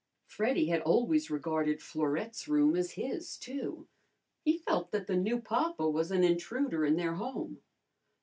Freddy had always regarded Florette's room as his, too. He felt that the new papa was an intruder in their home.